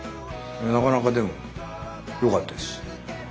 なかなかでもよかったですはい。